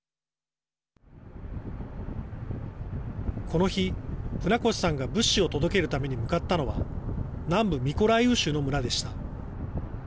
この日、船越さんが物資を届けるために向かったのは南部ミコライウ州の村でした。